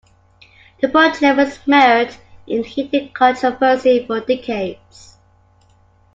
The project was mired in heated controversy for decades.